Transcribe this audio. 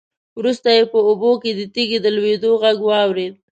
وروسته يې په اوبو کې د تېږې د لوېدو غږ واورېد.